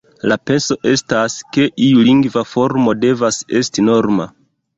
La penso estas, ke iu lingva formo devas esti norma.